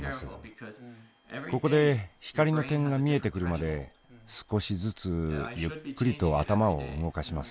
ここで光の点が見えてくるまで少しずつゆっくりと頭を動かします。